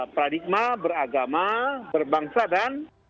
pradigma beragama berbangsa dan